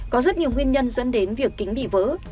có rất nhiều nguyên nhân dẫn đến việc kính bị vỡ